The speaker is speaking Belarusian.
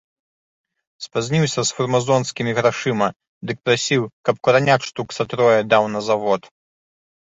Спазніўся з фармазонскімі грашыма, дык прасіў, каб куранят штук са трое даў на завод.